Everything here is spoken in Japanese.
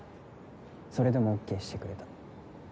それでもＯＫしてくれた。